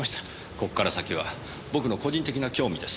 ここから先は僕の個人的な興味です。